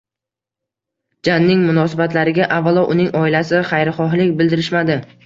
Janning munosabatlariga avvalo uning oilasi xayrixohlik bildirishmadi